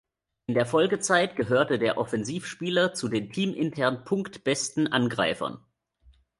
In der Folgezeit gehörte der Offensivspieler zu den teamintern punktbesten Angreifern.